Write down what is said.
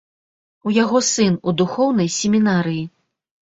У яго сын у духоўнай семінарыі.